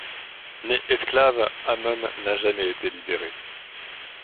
Né esclave, Hammon n'a jamais été libéré.